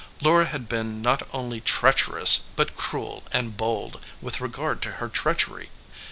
Laura had been not only treacherous, but cruel and bold with regard to her treachery.